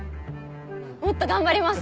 もっと頑張ります！